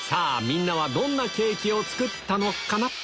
みんなはどんなケーキを作ったのかな？